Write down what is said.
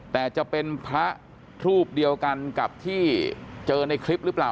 แต่จะเป็นพระรูปเดียวกันกับที่เจอในคลิปหรือเปล่า